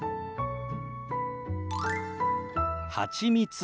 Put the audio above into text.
はちみつ。